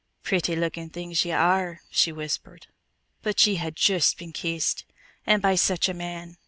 "Pretty lookin' things ye are!" she whispered. "But ye hae juist been kissed. And by such a man!